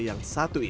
yang terkenal di kali